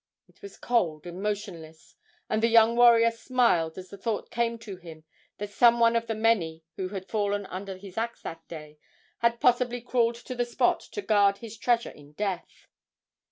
It was cold and motionless; and the young warrior smiled as the thought came to him that some one of the many who had fallen under his axe that day had possibly crawled to the spot to guard his treasure in death.